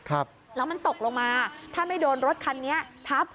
ครับแล้วมันตกลงมาถ้าไม่โดนรถคันนี้ทับ